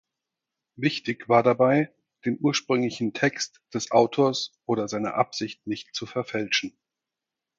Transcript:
Wichtig war dabei, den ursprünglichen Text des Autors oder seine Absicht nicht zu verfälschen.